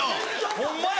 ホンマや。